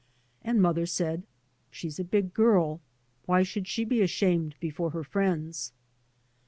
And mother said, " She's a big girl. Why should she be ashamed before her friends?